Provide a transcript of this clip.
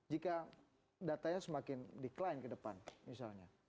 jika datanya semakin decline ke depan misalnya